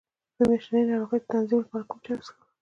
د میاشتنۍ ناروغۍ د تنظیم لپاره کوم چای وڅښم؟